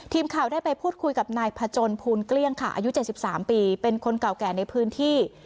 ทีมข่าวได้ไปพูดคุยกับนายพจนภูลเกลี้ยงค่ะอายุ๗๓ปีเป็นคนเก่าแก่ในพื้นที่